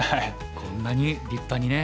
こんなに立派にね。